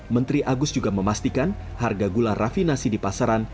menteri agus juga memastikan harga gula rafinasi di pasaran